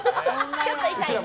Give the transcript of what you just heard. ちょっと痛いね。